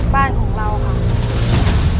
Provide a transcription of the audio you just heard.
บ้านของเราค่ะ